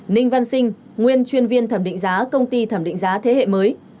ninh văn sinh nguyên chuyên viên thẩm định giá công ty thẩm định giá thế hệ mới